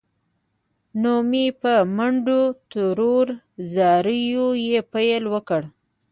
نو مې په منډو تروړ، زاریو یې پیل وکړ.